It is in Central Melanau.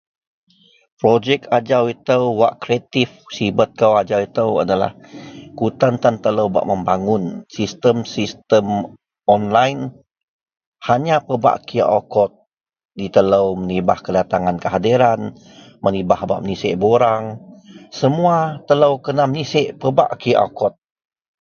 Projek ajau itou wak kreatip, sibet kou ajau itou adalah kutan-tan telou bak membangun sistem-sistem onlaen. Hanya pebak QR kod ji telou menibah kedatangan, kehadiran, menibah a bak menyisek borang. Semua telou kena menyisek pebak QR kod